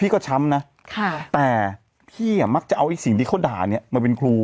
ก็ช้ำนะแต่พี่อ่ะมักจะเอาไอ้สิ่งที่เขาด่าเนี่ยมาเป็นครู